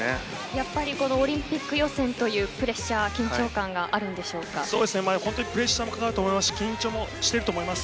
やっぱりオリンピック予選というプレッシャープレッシャーもかかり緊張もしていると思います。